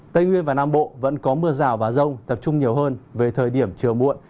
tây nguyên và nam bộ vẫn có mưa rào và rông tập trung nhiều hơn về thời điểm chiều muộn